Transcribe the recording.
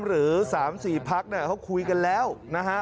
หรือ๓๔พักเขาคุยกันแล้วนะฮะ